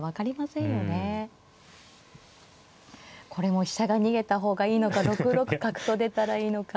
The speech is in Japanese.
これも飛車が逃げた方がいいのか６六角と出たらいいのか。